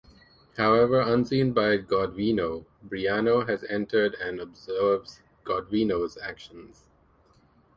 However, unseen by Godvino, Briano has entered and observes Godvino's actions.